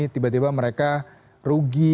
tiba tiba mereka rugi